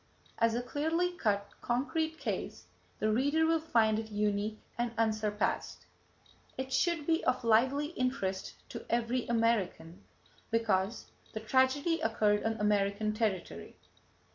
As a clearly cut, concrete case, the reader will find it unique and unsurpassed. It should be of lively interest to every American because the tragedy occurred on American territory.